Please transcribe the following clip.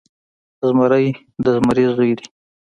زمری د زمري زوی دی.